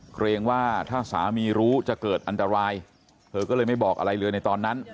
เกรงว่าถ้าสามีรู้จะเกิดอันตรายเธอก็เลยไม่บอกอะไรเลยในตอนนั้น